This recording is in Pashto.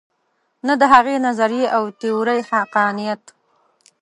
نه د هغې نظریې او تیورۍ حقانیت.